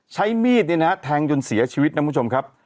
ใช้มีดเนี่ยนะฮะแทงจนเสียชีวิตนะคุณผู้ชมครับ